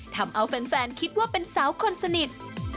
ทำเอาแฟนคิดว่าเป็นสาวคนสนิท